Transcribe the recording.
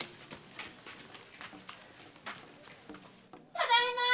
ただいまぁ！